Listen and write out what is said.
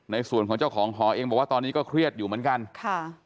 ในส่วนของเจ้าของหอเองบอกว่าตอนนี้ก็เครียดอยู่เหมือนกันค่ะ